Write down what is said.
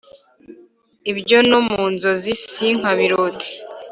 ibyo no mu nzozi sinkabirote